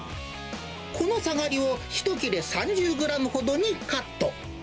このサガリを１切れ３０グラムほどにカット。